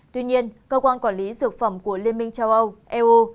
tuy nhiên cơ quan quản lý dược phẩm của liên minh châu âu eu